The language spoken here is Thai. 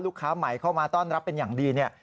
ใหม่เข้ามาต้อนรับเป็นอย่างดีเนี่ย